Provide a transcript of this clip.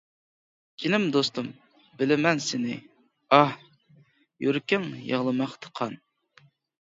جېنىم دوستۇم، بىلىمەن سېنى، ئاھ، يۈرىكىڭ يىغلىماقتا قان.